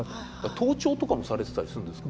盗聴とかもされてたりするんですか？